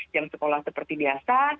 jam sekolah seperti biasa